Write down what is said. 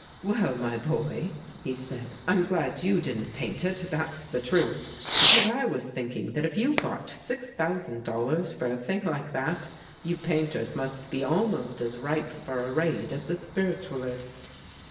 " Well, my boy," he said, " I'm glad you didn't paint it, that's the truth. Because I was thinking that if you got six thousand dollars for a thing like that, you painters must be almost as ripe for a raid as the spiritualists."